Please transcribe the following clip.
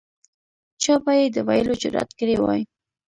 چا به یې د ویلو جرأت کړی وای.